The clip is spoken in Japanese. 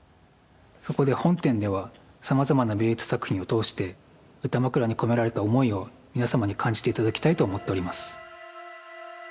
そこで本展ではさまざまな美術作品を通して歌枕に込められた思いを皆様に感じて頂きたいと思っております。